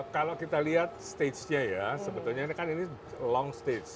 kalau kita lihat stage nya ya sebetulnya ini kan ini long stage